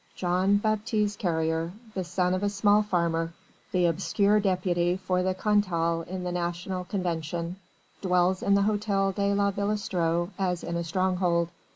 Jean Baptiste Carrier, the son of a small farmer, the obscure deputy for Cantal in the National Convention, dwells in the Hôtel de la Villestreux as in a stronghold.